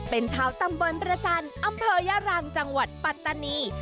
เป็นชาวตำบลระจันทร์อำเภอยรังจังหวัดปัตตานี